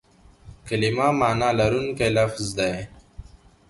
کلیمه مانا لرونکی لفظ دئ.